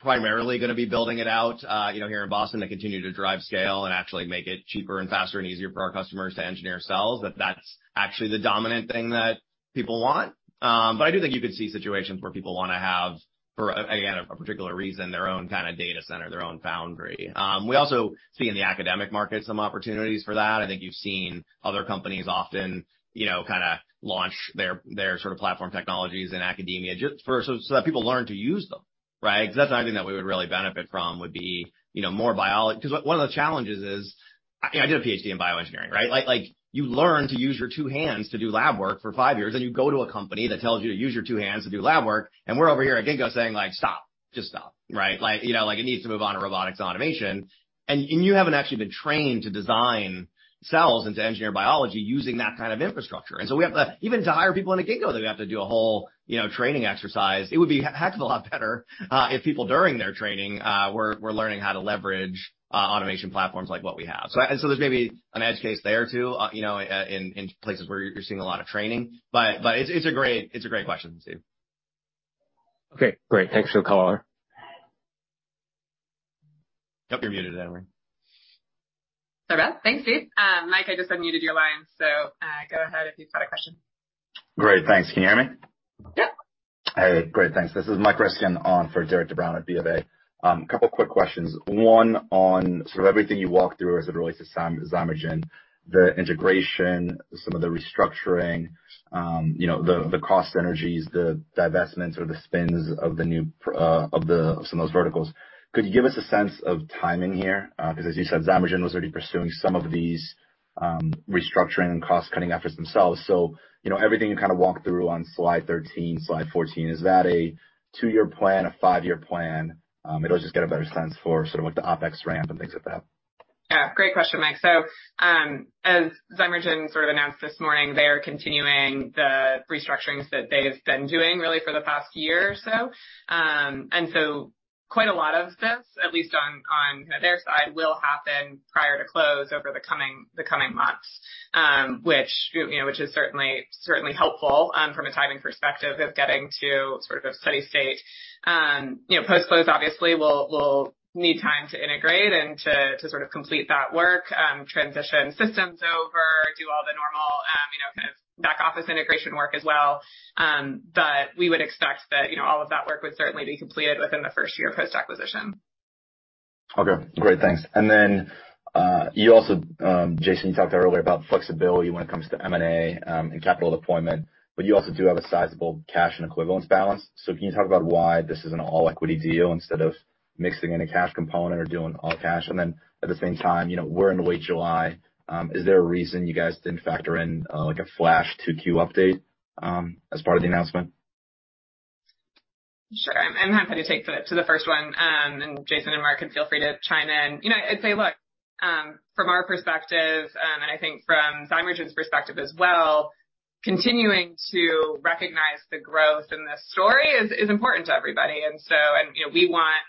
S2: primarily gonna be building it out, you know, here in Boston to continue to drive scale and actually make it cheaper and faster and easier for our customers to engineer cells, that that's actually the dominant thing that people want. But I do think you could see situations where people wanna have, for, again, a particular reason, their own kinda data center, their own foundry. We also see in the academic market some opportunities for that. I think you've seen other companies often, you know, kinda launch their sort of platform technologies in academia just so that people learn to use them, right? 'Cause that's something that we would really benefit from, would be, you know, more biologists. 'Cause one of the challenges is I did a PhD in bioengineering, right? Like, you learn to use your two hands to do lab work for five years, and you go to a company that tells you to use your two hands to do lab work, and we're over here at Ginkgo saying, like, "Stop. Just stop." Right? Like, you know, like, it needs to move on to robotics automation. You haven't actually been trained to design cells and to engineer biology using that kind of infrastructure. Even to hire people into Ginkgo, they have to do a whole, you know, training exercise. It would be a heck of a lot better if people during their training were learning how to leverage automation platforms like what we have. There's maybe an edge case there too, you know, in places where you're seeing a lot of training. It's a great question, Steve.
S6: Okay, great. Thanks for the color.
S2: Yep, you're muted, Anna Marie.
S1: Sorry about that. Thanks, Steve. Mike, I just unmuted your line, so, go ahead if you've got a question.
S7: Great. Thanks. Can you hear me?
S1: Yep.
S7: Hey, great. Thanks. This is Mike Ryskin on for Derik De Bruin at BofA. Couple quick questions. One on sort of everything you walked through as it relates to Zymergen, the integration, some of the restructuring, you know, the cost synergies, the divestments or the spins of some of those verticals. Could you give us a sense of timing here? 'Cause as you said, Zymergen was already pursuing some of these restructuring and cost-cutting efforts themselves. You know, everything you kinda walked through on slide 13, slide 14, is that a two-year plan, a five-year plan? I just get a better sense for sort of like the OPEX ramp and things like that.
S1: Yeah, great question, Mike. As Zymergen sort of announced this morning, they are continuing the restructurings that they've been doing really for the past year or so. Quite a lot of this, at least on their side, will happen prior to close over the coming months, which you know is certainly helpful from a timing perspective of getting to sort of a steady state. You know, post-close obviously we'll need time to integrate and to sort of complete that work, transition systems over, do all the normal office integration work as well. We would expect that all of that work would certainly be completed within the first year post-acquisition.
S7: Okay. Great. Thanks. You also, Jason, you talked earlier about flexibility when it comes to M&A and capital deployment, but you also do have a sizable cash equivalents balance. Can you talk about why this is an all-equity deal instead of mixing in a cash component or doing all cash? At the same time, you know, we're into late July, is there a reason you guys didn't factor in, like, a flash 2Q update, as part of the announcement?
S1: Sure. I'm happy to take the first one. Jason and Mark can feel free to chime in. You know, I'd say, look, from our perspective, and I think from Zymergen's perspective as well, continuing to recognize the growth in this story is important to everybody. You know, we want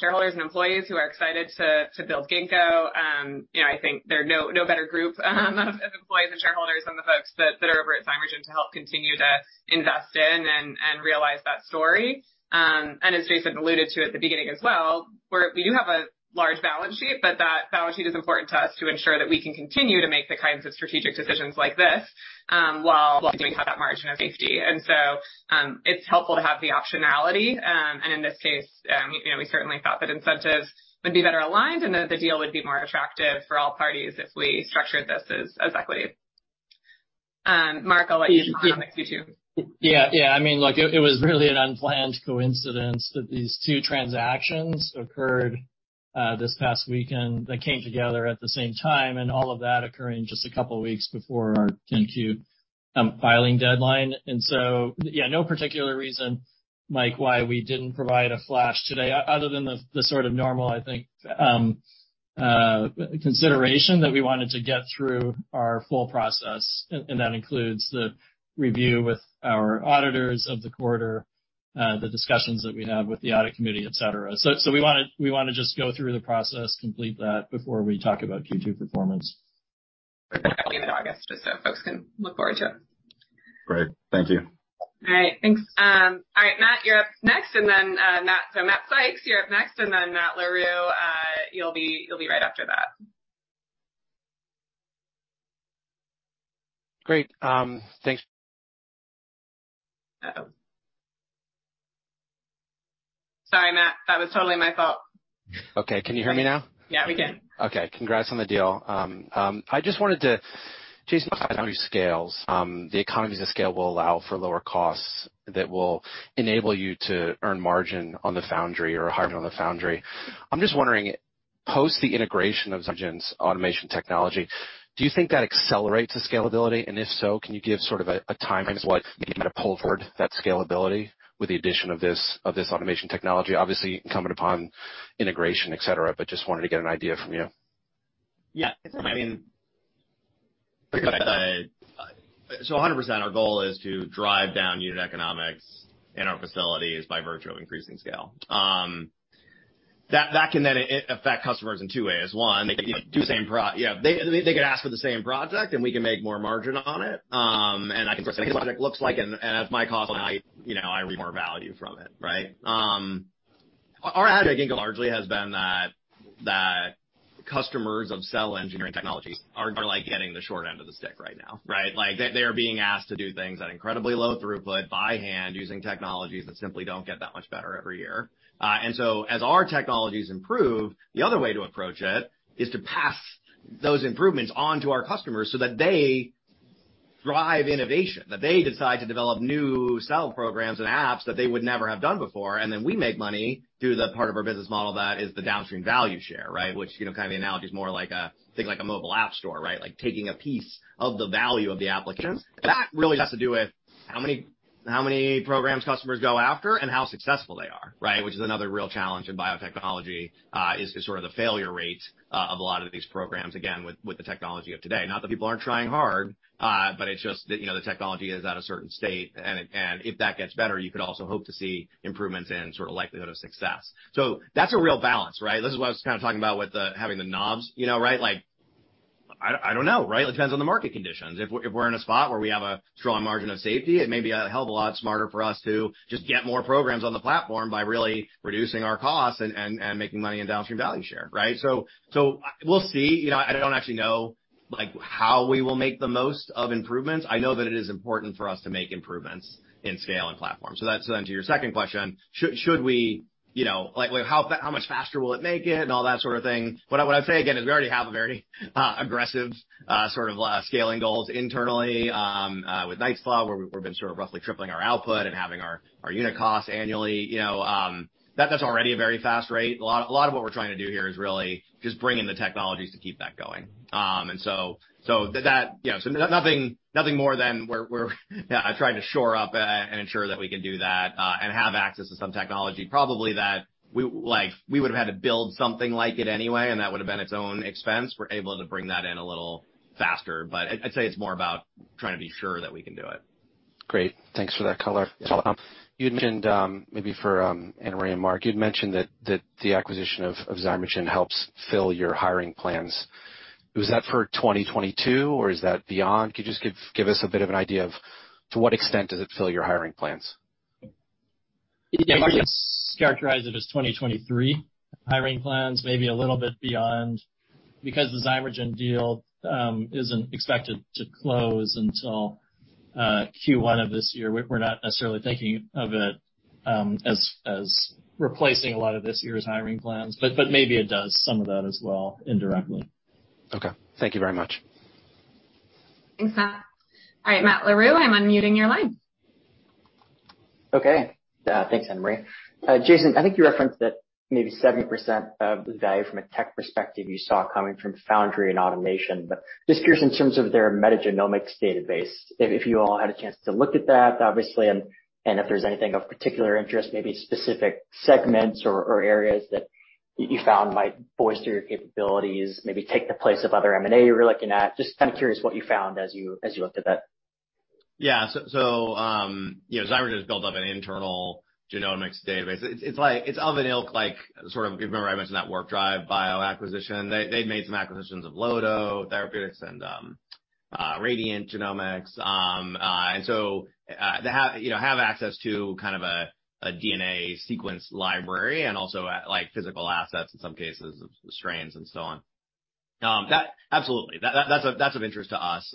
S1: shareholders and employees who are excited to build Ginkgo. You know, I think there are no better group of employees and shareholders than the folks that are over at Zymergen to help continue to invest in and realize that story. As Jason alluded to at the beginning as well, we do have a large balance sheet, but that balance sheet is important to us to ensure that we can continue to make the kinds of strategic decisions like this while doing that margin of safety. It's helpful to have the optionality. In this case, you know, we certainly thought that incentives would be better aligned and that the deal would be more attractive for all parties if we structured this as equity. Mark, I'll let you comment if you do.
S4: Yeah. Yeah. I mean, like, it was really an unplanned coincidence that these two transactions occurred this past weekend that came together at the same time, and all of that occurring just a couple weeks before our Form 10-Q filing deadline. Yeah, no particular reason, Mike, why we didn't provide a flash today other than the sort of normal, I think, consideration that we wanted to get through our full process, and that includes the review with our auditors of the quarter, the discussions that we had with the audit committee, et cetera. We wanna just go through the process, complete that before we talk about Q2 performance.
S1: August, just so folks can look forward to it.
S7: Great. Thank you.
S1: All right. Thanks. All right, Matt, you're up next and then Matt. Matthew Sykes, you're up next and then Matt Larew, you'll be right after that.
S8: Great. Thanks.
S1: Sorry, Matt, that was totally my fault.
S8: Okay. Can you hear me now?
S1: Yeah, we can.
S8: Okay. Congrats on the deal. I just wanted to, Jason, talk about how this scales, the economies of scale will allow for lower costs that will enable you to earn margin on the foundry or higher on the foundry. I'm just wondering, post the integration of Zymergen's automation technology, do you think that accelerates the scalability? If so, can you give sort of a timing as to what you might have pulled forward that scalability with the addition of this automation technology, obviously contingent upon integration, et cetera, but just wanted to get an idea from you.
S2: I mean, 100% our goal is to drive down unit economics in our facilities by virtue of increasing scale. That can then affect customers in two ways. One, they can like do the same project and we can make more margin on it. I can see what the project looks like and at my cost, you know, I read more value from it, right? Our take at Ginkgo largely has been that customers of cell engineering technologies are like getting the short end of the stick right now, right? Like, they're being asked to do things at incredibly low throughput by hand using technologies that simply don't get that much better every year. As our technologies improve, the other way to approach it is to pass those improvements on to our customers so that they drive innovation, that they decide to develop new cell programs and apps that they would never have done before. Then we make money through the part of our business model that is the downstream value share, right? Which, you know, kind of the analogy is more like a, think like a mobile app store, right? Like taking a piece of the value of the application. That really has to do with how many programs customers go after and how successful they are, right? Which is another real challenge in biotechnology, is sort of the failure rate of a lot of these programs, again, with the technology of today. Not that people aren't trying hard, but it's just that, you know, the technology is at a certain state and if that gets better, you could also hope to see improvements in sort of likelihood of success. So that's a real balance, right? This is what I was kind of talking about with the having the knobs, you know, right? Like, I don't know, right? It depends on the market conditions. If we're in a spot where we have a strong margin of safety, it may be a hell of a lot smarter for us to just get more programs on the platform by really reducing our costs and making money in downstream value share, right? So we'll see. You know, I don't actually know, like, how we will make the most of improvements. I know that it is important for us to make improvements in scale and platform. That's to your second question, should we, you know, like how much faster will it make it and all that sort of thing. What I'd say again is we already have a very aggressive sort of scaling goals internally with Knight's Law, where we've been sort of roughly tripling our output and halving our unit costs annually. You know, that's already a very fast rate. A lot of what we're trying to do here is really just bring in the technologies to keep that going. Nothing more than we're trying to shore up and ensure that we can do that, and have access to some technology probably that we, like, we would have had to build something like it anyway, and that would have been its own expense. We're able to bring that in a little faster. I'd say it's more about trying to be sure that we can do it.
S8: Great. Thanks for that color. You had mentioned maybe for Anne Marie and Mark, you'd mentioned that the acquisition of Zymergen helps fill your hiring plans. Was that for 2022 or is that beyond? Could you just give us a bit of an idea of to what extent does it fill your hiring plans?
S4: Yeah, I guess characterize it as 2023 hiring plans, maybe a little bit beyond because the Zymergen deal isn't expected to close until Q1 of this year. We're not necessarily thinking of it as replacing a lot of this year's hiring plans, but maybe it does some of that as well, indirectly.
S8: Okay. Thank you very much.
S1: Thanks, Matt. All right, Matt Larew, I'm unmuting your line.
S9: Okay. Thanks, Anna Marie. Jason, I think you referenced that maybe 70% of the value from a tech perspective you saw coming from foundry and automation. Just curious in terms of their metagenomics database, if you all had a chance to look at that, obviously, and if there's anything of particular interest, maybe specific segments or areas that you found might bolster your capabilities, maybe take the place of other M&A you were looking at. Just kinda curious what you found as you looked at that.
S2: Yeah. You know, Zymergen's built up an internal genomics database. It's like. It's of an ilk, like, sort of remember I mentioned that Warp Drive Bio acquisition. They made some acquisitions of Lodo Therapeutics and Radiant Genomics. And so they have, you know, have access to kind of a DNA sequence library and also, like, physical assets in some cases, of strains and so on. That. Absolutely. That's of interest to us.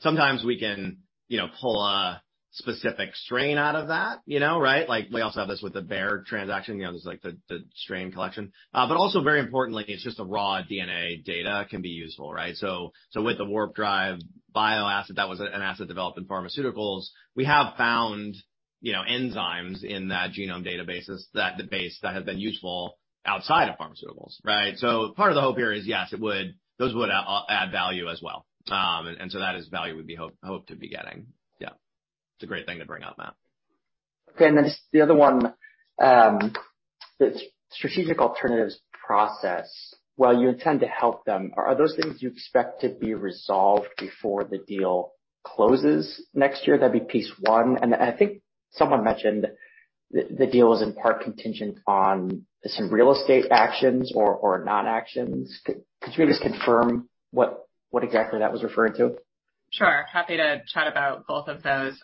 S2: Sometimes we can, you know, pull a specific strain out of that, you know, right? Like, we also have this with the Bayer transaction, you know, there's like the strain collection. But also very importantly, it's just the raw DNA data can be useful, right? With the Warp Drive Bio asset, that was an asset developed in pharmaceuticals. We have found, you know, enzymes in that genome databases, that base that have been useful outside of pharmaceuticals, right? Part of the hope here is, yes, those would add value as well. That is value we'd be hope to be getting. Yeah. It's a great thing to bring up, Matt.
S9: Okay. Just the other one, the strategic alternatives process, while you intend to help them, are those things you expect to be resolved before the deal closes next year? That'd be piece one. I think someone mentioned the deal is in part contingent on some real estate actions or non-actions. Could you maybe just confirm what exactly that was referring to?
S1: Sure. Happy to chat about both of those.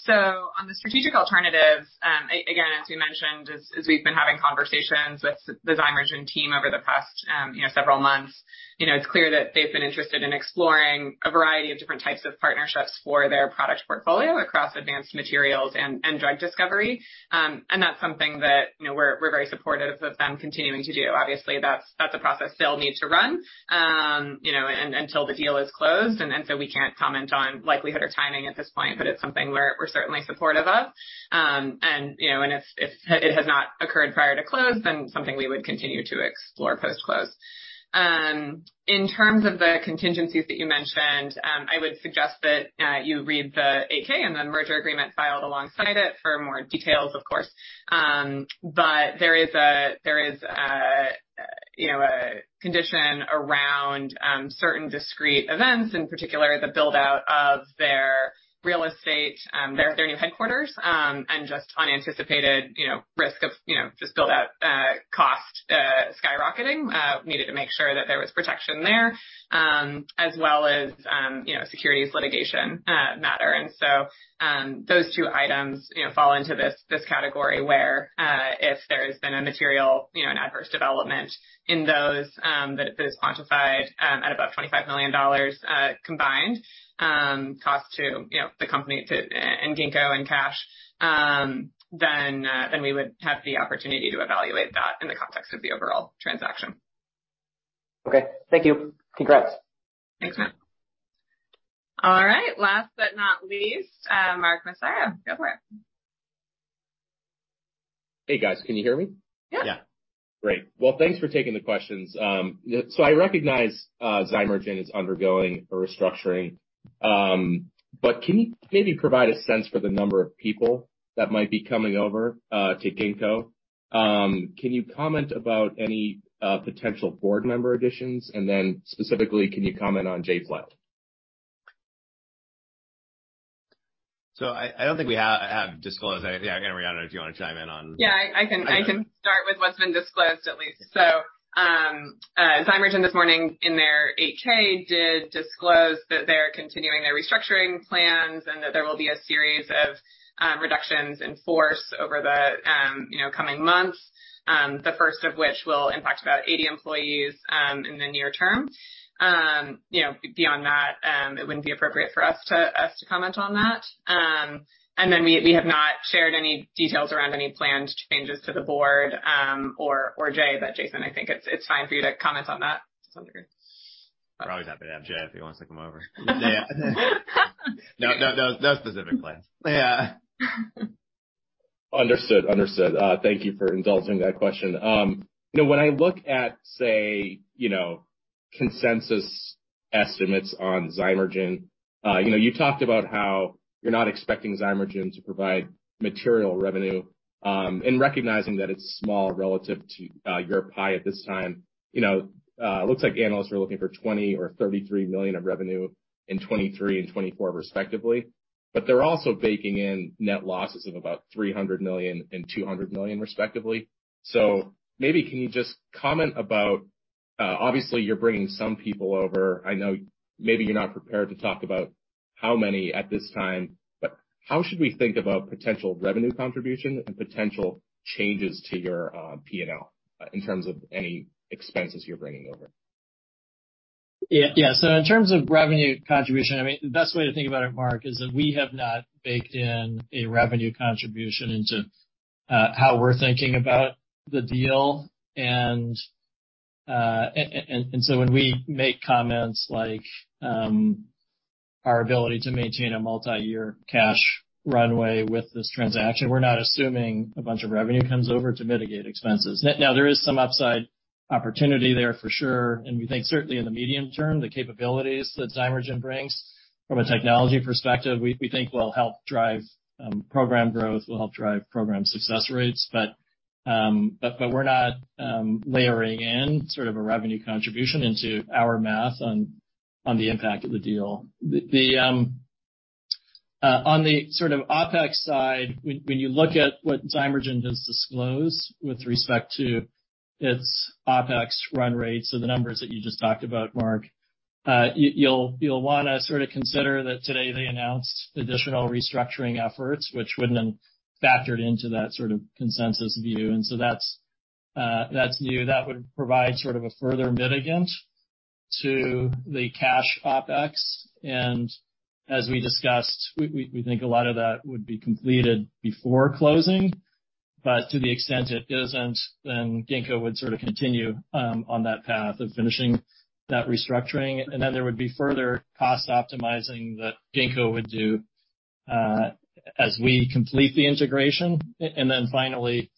S1: So on the strategic alternatives, again, as we mentioned, as we've been having conversations with the Zymergen team over the past, you know, several months, you know, it's clear that they've been interested in exploring a variety of different types of partnerships for their product portfolio across advanced materials and drug discovery. And that's something that, you know, we're very supportive of them continuing to do. Obviously, that's a process they'll need to run, you know, until the deal is closed. We can't comment on likelihood or timing at this point, but it's something we're certainly supportive of. And, you know, and if it has not occurred prior to close, then something we would continue to explore post-close. In terms of the contingencies that you mentioned, I would suggest that you read the 8-K and the merger agreement filed alongside it for more details, of course. There is a you know, a condition around certain discrete events, in particular, the build-out of their real estate, their new headquarters, and just unanticipated, you know, risk of, you know, just build out cost skyrocketing. We needed to make sure that there was protection there, as well as you know, securities litigation matter. Those two items, you know, fall into this category where, if there's been a material, you know, an adverse development in those, that is quantified at about $25 million, combined, cost to, you know, the company and Ginkgo in cash, then we would have the opportunity to evaluate that in the context of the overall transaction.
S9: Okay. Thank you. Congrats.
S1: Thanks, Matt. All right, last but not least, Mark Massaro. Go for it.
S10: Hey, guys. Can you hear me?
S1: Yeah.
S2: Yeah.
S10: Great. Well, thanks for taking the questions. I recognize Zymergen is undergoing a restructuring, but can you maybe provide a sense for the number of people that might be coming over to Ginkgo? Can you comment about any potential board member additions? Specifically, can you comment on Jay Flatley?
S2: I don't think we have disclosed. Yeah, again, Anna Marie Wagner, if you wanna chime in on
S1: Yeah, I can start with what's been disclosed at least. Zymergen this morning in their 8-K did disclose that they're continuing their restructuring plans and that there will be a series of reductions in force over the coming months, the first of which will impact about 80 employees in the near term. You know, beyond that, it wouldn't be appropriate for us to comment on that. We have not shared any details around any planned changes to the board or Jay, but Jason, I think it's fine for you to comment on that to some degree.
S2: Probably happy to have Jay if he wants to come over. No, no specific plans. Yeah.
S10: Understood. Thank you for indulging that question. You know, when I look at, say, you know, consensus estimates on Zymergen, you know, you talked about how you're not expecting Zymergen to provide material revenue, and recognizing that it's small relative to, your pie at this time. You know, looks like analysts are looking for $20 million or 33 million of revenue in 2023 and 2024 respectively, but they're also baking in net losses of about $300 million and 200 million, respectively. Maybe can you just comment about, obviously you're bringing some people over. I know maybe you're not prepared to talk about how many at this time, but how should we think about potential revenue contribution and potential changes to your, P&L in terms of any expenses you're bringing over?
S4: Yeah. In terms of revenue contribution, I mean, the best way to think about it, Mark, is that we have not baked in a revenue contribution into how we're thinking about the deal. When we make comments like our ability to maintain a multi-year cash runway with this transaction, we're not assuming a bunch of revenue comes over to mitigate expenses. Now there is some upside opportunity there for sure, and we think certainly in the medium term, the capabilities that Zymergen brings from a technology perspective, we think will help drive program growth, will help drive program success rates. We're not layering in sort of a revenue contribution into our math on the impact of the deal. On the sort of OpEx side, when you look at what Zymergen does disclose with respect to its OpEx run rates, so the numbers that you just talked about, Mark, you'll wanna sort of consider that today they announced additional restructuring efforts which wouldn't have factored into that sort of consensus view. That's new. That would provide sort of a further mitigant to the cash OpEx. As we discussed, we think a lot of that would be completed before closing. To the extent it isn't, then Ginkgo would sort of continue on that path of finishing that restructuring. There would be further cost optimizing that Ginkgo would do, as we complete the integration. Finally,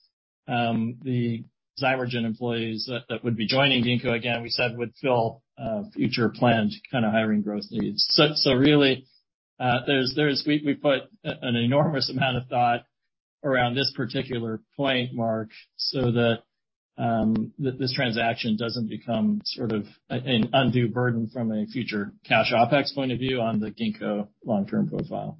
S4: the Zymergen employees that would be joining Ginkgo, again, we said would fill future planned kinda hiring growth needs. Really, we put an enormous amount of thought around this particular point, Mark, so that this transaction doesn't become sort of an undue burden from a future cash OpEx point of view on the Ginkgo long-term profile.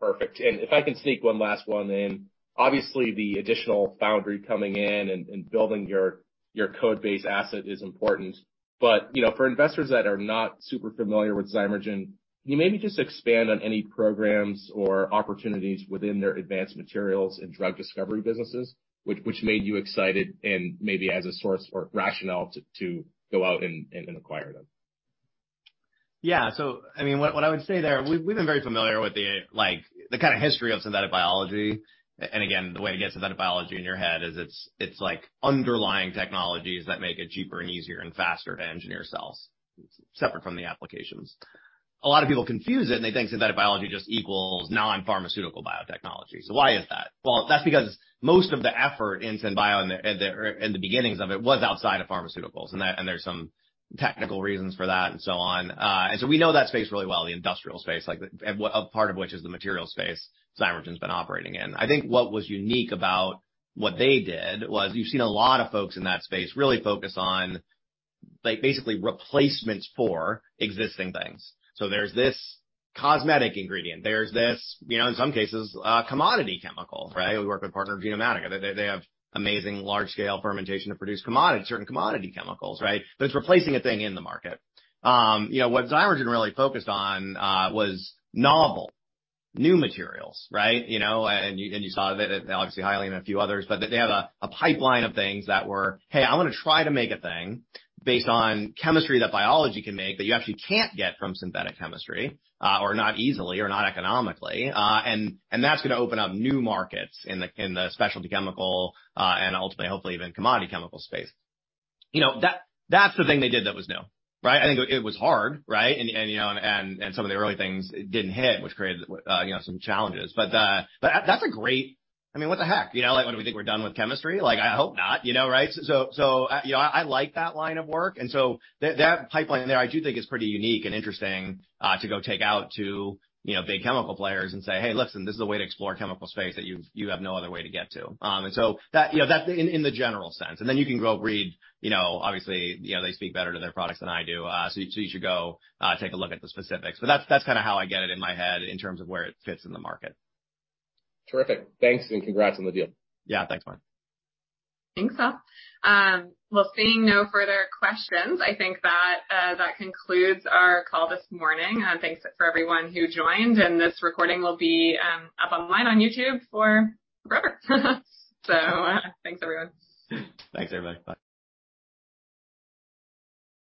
S10: Perfect. If I can sneak one last one in. Obviously, the additional foundry coming in and building your codebase asset is important. You know, for investors that are not super familiar with Zymergen, can you maybe just expand on any programs or opportunities within their advanced materials and drug discovery businesses which made you excited and maybe as a source or rationale to go out and acquire them?
S2: Yeah. I mean, what I would say there, we've been very familiar with like the kinda history of synthetic biology. Again, the way to get synthetic biology in your head is it's like underlying technologies that make it cheaper and easier and faster to engineer cells separate from the applications. A lot of people confuse it, and they think synthetic biology just equals non-pharmaceutical biotechnology. Why is that? Well, that's because most of the effort in syn bio in the beginnings of it was outside of pharmaceuticals. There's some technical reasons for that and so on. We know that space really well, the industrial space, like a part of which is the materials space Zymergen’s been operating in. I think what was unique about what they did was you've seen a lot of folks in that space really focus on, like, basically replacements for existing things. There's this cosmetic ingredient, there's this, you know, in some cases, commodity chemical, right? We work with partner Genomatica. They have amazing large-scale fermentation to produce commodities, certain commodity chemicals, right? That's replacing a thing in the market. You know, what Zymergen really focused on was novel, new materials, right? You know, you saw that obviously Hyaline and a few others, but they had a pipeline of things that were, "Hey, I'm gonna try to make a thing based on chemistry that biology can make that you actually can't get from synthetic chemistry, or not easily or not economically. That's gonna open up new markets in the, in the specialty chemical, and ultimately, hopefully even commodity chemical space. You know, that's the thing they did that was new, right? I think it was hard, right? You know, some of the early things didn't hit, which created, you know, some challenges. That's a great, I mean, what the heck, you know, like when we think we're done with chemistry, like, I hope not, you know, right? You know, I like that line of work. That pipeline there I do think is pretty unique and interesting to go take out to, you know, big chemical players and say, "Hey, listen, this is a way to explore chemical space that you have no other way to get to." That, you know, in the general sense. You can go read, you know, obviously, you know, they speak better to their products than I do. So you should go take a look at the specifics. That's kinda how I get it in my head in terms of where it fits in the market.
S10: Terrific. Thanks, and congrats on the deal.
S2: Yeah. Thanks, Mark.
S1: Thanks, all. Well, seeing no further questions, I think that concludes our call this morning. Thanks for everyone who joined, and this recording will be up online on YouTube forever. Thanks, everyone.
S2: Thanks, everybody. Bye.